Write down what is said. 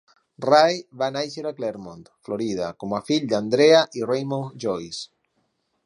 Rae va néixer a Clermont, Florida, com a fill d'Andrea i Raymond Joyce.